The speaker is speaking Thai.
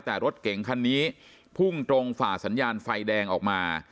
แต่รถเก่งคันนี้พุ่งตรงฝ่าสัญญาณไฟแดงออกมา